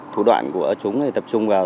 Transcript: thủ đoạn của chúng tập trung vào